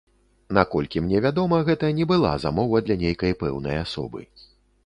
Наколькі мне вядома, гэта не была замова для нейкай пэўнай асобы.